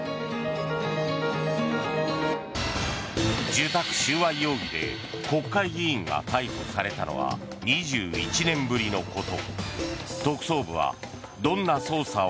受託収賄容疑で国会議員が逮捕されたのは２１年ぶりのこと。